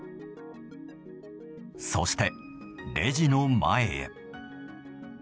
そして、レジの前へ。